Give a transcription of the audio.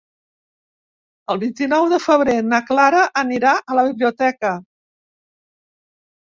El vint-i-nou de febrer na Clara anirà a la biblioteca.